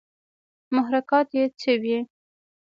محرکات ئې څۀ وي